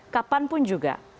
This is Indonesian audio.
kapan pun juga